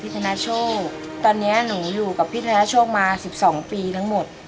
ธนาโชคตอนนี้หนูอยู่กับพี่ธนโชคมา๑๒ปีทั้งหมด